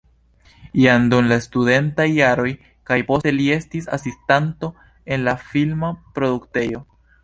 Jam dum la studentaj jaroj kaj poste li estis asistanto en la filma produktejo.